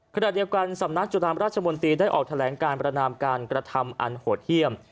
ขณะเดียวกันสำนักจุนามราชมนตรีได้ออกแถลงการประนามการกระทำอันโหดเยี่ยม